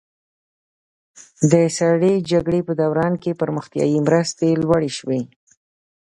د سړې جګړې په دوران کې پرمختیایي مرستې لوړې شوې.